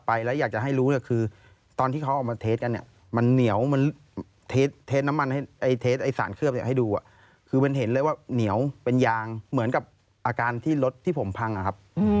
แต่เสียงดังเนี่ยประมาณครึ่งเกือบเดือนนะครับ